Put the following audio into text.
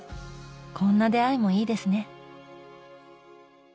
こんな出会いもいいですね。